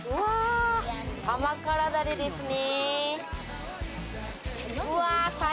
甘辛ダレですね。